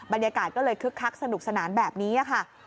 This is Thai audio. บรรยากาศก็เลยคึกคักสนุกสนานแบบนี้ค่ะ